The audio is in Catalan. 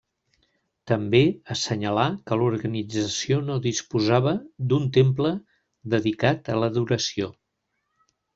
També assenyalà que l'organització no disposava d'un temple dedicat a l'adoració.